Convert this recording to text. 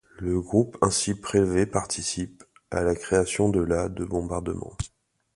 Le groupe ainsi prélevé participe, à la création de la de bombardement.